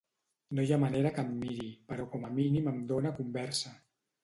No hi ha manera que em miri, però com a mínim em dona conversa.